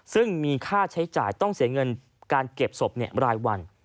ซึ่งมีค่าใช้จ่ายต้องเสียเงินการเก็บศพรายวัน